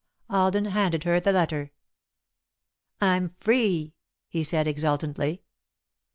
Alden handed her the letter. "I'm free!" he said, exultantly.